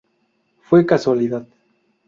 Fue casualidad.